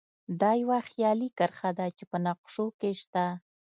دا یوه خیالي کرښه ده چې په نقشو کې شته